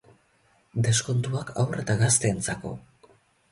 Deskontuak haur eta gazteentzako